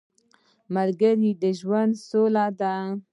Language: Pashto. ملګری د ژوند سوله ده